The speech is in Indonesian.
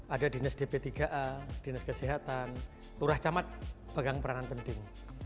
ada dinas dp tiga a dinas kesehatan turah camat pegang peranan penting